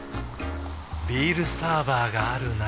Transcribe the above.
ビールサーバーがある夏。